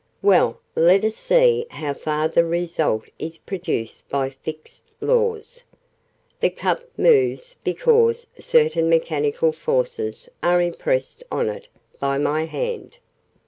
"Well, let us see how far the result is produced by fixed laws. The cup moves because certain mechanical forces are impressed on it by my hand.